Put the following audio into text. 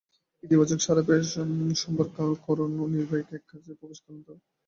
ইতিবাচক সাড়া পেয়ে সোমবার করণ ও নির্ভয়াকে একই খাঁচায় প্রবেশ করান তাঁরা।